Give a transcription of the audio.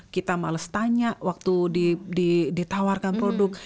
kita males tanya waktu ditawarkan produk